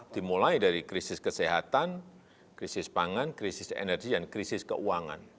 dimulai dari krisis kesehatan krisis pangan krisis energi dan krisis keuangan